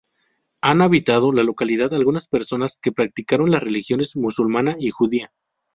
Han habitado la localidad algunas persona que practicaron las religiones musulmana y judía.